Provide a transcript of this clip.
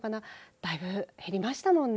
だいぶ減りましたもんね。